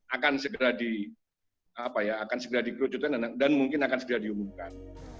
akan segera di apa ya akan segera dikerucutkan dan mungkin akan segera diumumkan